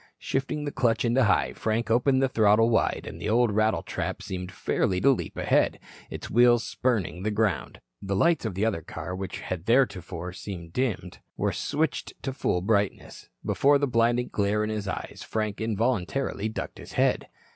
Shifting the clutch into high, Frank opened the throttle wide and the old rattletrap seemed fairly to leap ahead, its wheels spurning the ground. The lights of the other car which had theretofore seemed dimmed were switched to full brightness. Before the blinding glare in his eyes, Frank involuntarily ducked his head.